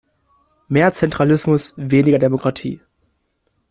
Mehr Zentralismus, weniger Demokratie.